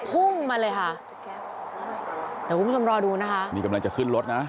พุ่งมาเลยค่ะเดี๋ยวคุณผู้ชมรอดูนะคะนี่กำลังจะขึ้นรถนะ